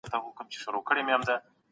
د حق په لاره کي ستړي کېدل عبادت دی.